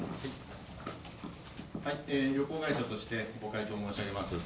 旅行会社としてご回答申し上げます。